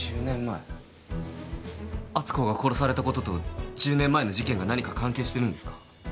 篤子が殺された事と１０年前の事件が何か関係してるんですか？